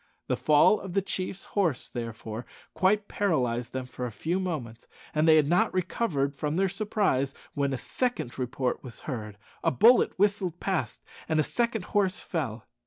The fall of the chief's horse, therefore, quite paralyzed them for a few moments, and they had not recovered from their surprise when a second report was heard, a bullet whistled past, and a second horse fell.